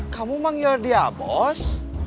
kamu manggil dia bos